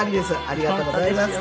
ありがとうございます。